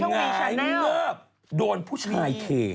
หงายเงิบโดนผู้ชายเท